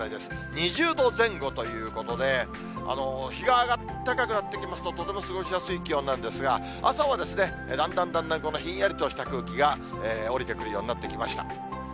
２０度前後ということで、日が高くなってきますととても過ごしやすい気温なんですが、朝はだんだんだんだん、このひんやりとした空気が下りてくるようになってきました。